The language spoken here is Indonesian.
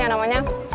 ya kan rikkah gallons